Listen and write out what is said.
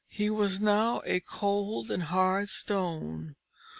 He was now a cold and hard stone.